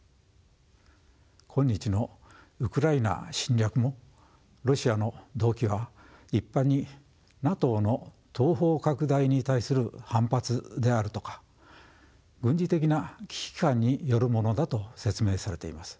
今日のウクライナ侵略もロシアの動機は一般にＮＡＴＯの東方拡大に対する反発であるとか軍事的な危機感によるものだと説明されています。